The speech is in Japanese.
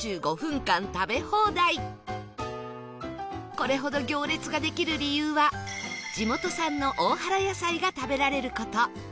これほど行列ができる理由は地元産の大原野菜が食べられる事